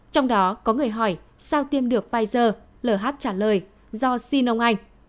trong đó có người hỏi sao tiêm được pfizer lh trả lời do xin ông anh